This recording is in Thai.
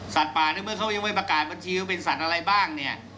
ป่าในเมื่อเขายังไม่ประกาศบัญชีว่าเป็นสัตว์อะไรบ้างเนี่ย